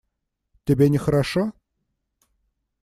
Тебе нехорошо?